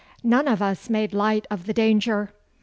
None of us made light of the danger.